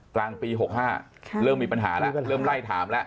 กลางปี๖๕เริ่มมีปัญหาแล้วเริ่มไล่ถามแล้ว